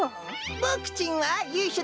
ボクちんはゆいしょ